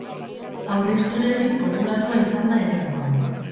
Aurrehistoriatik populatua izan da eremua.